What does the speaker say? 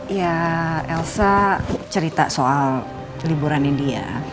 ya elsa cerita soal liburannya dia